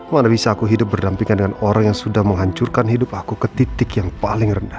mana bisa aku hidup berdampingan dengan orang yang sudah menghancurkan hidup aku ke titik yang paling rendah